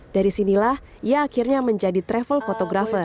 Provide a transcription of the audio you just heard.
dari sinilah ia akhirnya menjadi travel photographer